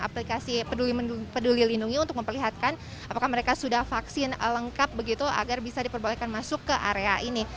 aplikasi peduli lindungi untuk memperlihatkan apakah mereka sudah vaksin lengkap begitu agar bisa diperbolehkan masuk ke area ini